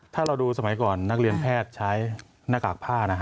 ถ้าเราดูสมัยก่อนนักเรียนแพทย์ใช้หน้ากากผ้า